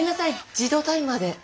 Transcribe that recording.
自動タイマーで。